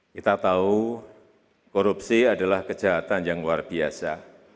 kita tahu korupsi adalah kejahatan yang luar biasa